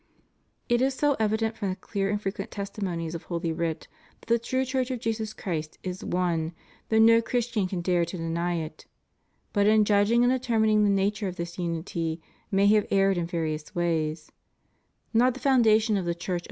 It is so evident from the clear and frequent testimonies of holy writ that the true Church of Jesus Christ is one, that no Christian can dare to deny it. But in judging and determining the nature of this unity many have erred in various ways. Not the foundation of the Church alone, ' Horn. De capto Eutropio, n.